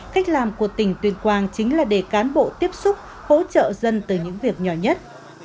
cách làm của tỉnh tuyên quang chính là để cán bộ tiếp xúc hỗ trợ dân từ những việc nhỏ nhất